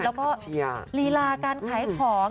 แล้วก็ลีลาการขายของ